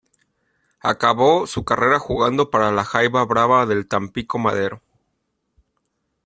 Acabó su carrera jugando para la Jaiba Brava del Tampico-Madero.